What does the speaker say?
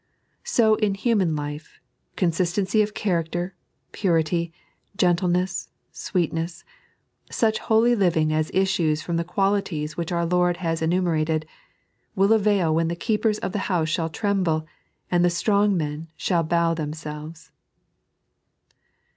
So in human life, consistency of character, purity, gentleness, sweetness, such holy living as issues from the quahties which our Lord has enumemted, will avail when the keepers of the house shall tremble, and the strong men shall bow them selves.